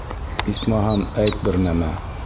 Исмаһам, әйт бер нәмә!